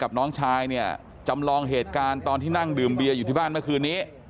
น้องชายเนี่ยจำลองเหตุการณ์ตอนที่นั่งดื่มเบียร์อยู่ที่บ้านเมื่อคืนนี้